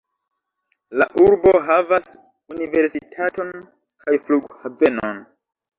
La urbo havas universitaton kaj flughavenon.